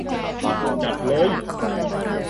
จัดเลย !